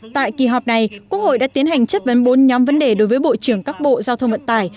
tại kỳ họp này quốc hội đã tiến hành chất vấn bốn nhóm vấn đề đối với bộ trưởng các bộ giao thông vận tải